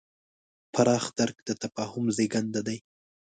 پراخ درک د تفاهم زېږنده دی.